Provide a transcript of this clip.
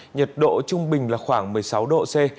nhiệt độ trung bình là khoảng một mươi sáu độ c